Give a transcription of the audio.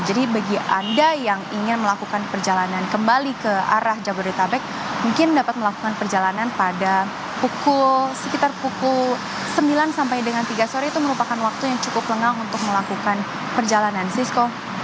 jadi bagi anda yang ingin melakukan perjalanan kembali ke arah jabodetabek mungkin dapat melakukan perjalanan pada pukul sekitar pukul sembilan sampai dengan tiga sore itu merupakan waktu yang cukup lengang untuk melakukan perjalanan cisco